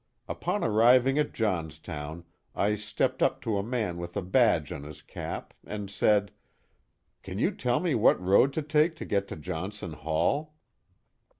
Upon arriving at Johnstown I stepped up to a man with a badge on his cap and said: Can you tell me what road to take to get to Johnson Hall